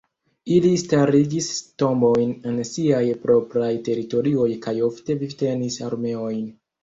Ili starigis tombojn en siaj propraj teritorioj kaj ofte vivtenis armeojn.